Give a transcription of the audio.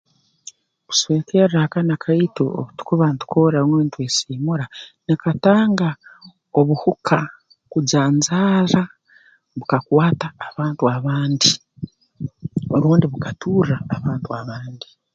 Kuswekerra akanwa kaitu obu tukuba ntukorra rundi ntweseemura nikatanga obuhuka kujanjaara bukakwata abantu abandi rundi bukaturra abantu abandi